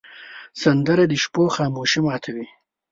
سندره د شپو خاموشي ماتوې